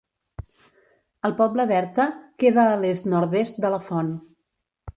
El poble d'Erta queda a l'est-nord-est de la font.